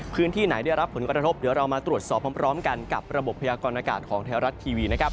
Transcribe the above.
พื้นที่ไหนได้รับผลกระทบเดี๋ยวเรามาตรวจสอบพร้อมกันกับระบบพยากรณากาศของไทยรัฐทีวีนะครับ